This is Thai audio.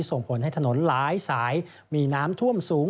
ส่งผลให้ถนนหลายสายมีน้ำท่วมสูง